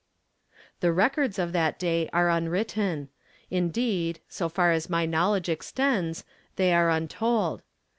305 The records of that day are unwritten ; indeed so far as my knowledge extends, they are untold!